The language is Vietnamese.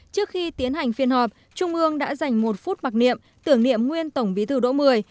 trước khi tiến hành phiên họp trung ương đã dành một phút mặc niệm tưởng niệm nguyên tổng bí thư đỗ mười